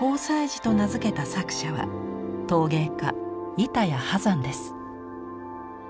磁と名付けた作者は陶芸家板谷波山です。